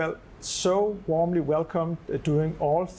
และผมรู้สึกสุขมากตลอดทั้ง๓ปีแล้ว